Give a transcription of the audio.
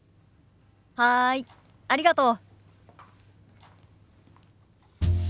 はいありがとう。